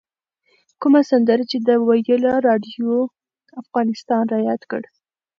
کومه سندره چې ده ویله راډیو افغانستان رایاد کړ.